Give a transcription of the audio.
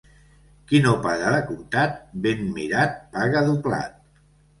Qui no paga de comptat, ben mirat paga doblat.